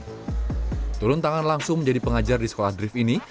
turun tangan langsung menjadi pengajar di sekolah drift ini